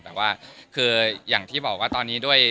แต่ว่าคืออย่างที่บอกว่าตอนนี้ด้วย